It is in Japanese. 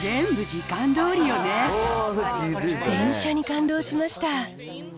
電車に感動しました。